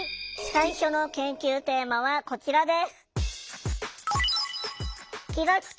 最初の研究テーマはこちらです。